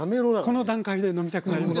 この段階で飲みたくなります。